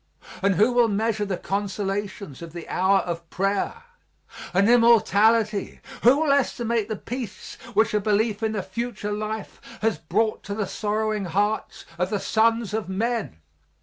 And who will measure the consolations of the hour of prayer? And immortality! Who will estimate the peace which a belief in a future life has brought to the sorrowing hearts of the sons of men?